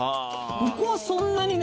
ここはそんなにね。